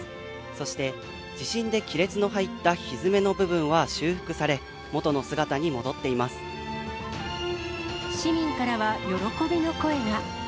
そして、地震で亀裂の入ったひづめの部分は修復され、元の姿に戻っていま市民からは喜びの声が。